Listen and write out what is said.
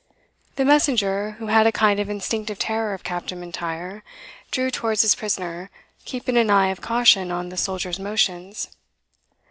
The messenger, who had a kind of instinctive terror for Captain M'Intyre, drew towards his prisoner, keeping an eye of caution on the soldier's motions.